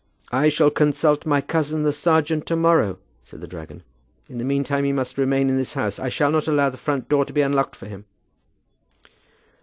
"I shall consult my cousin the serjeant to morrow," said the dragon. "In the meantime he must remain in this house. I shall not allow the front door to be unlocked for him."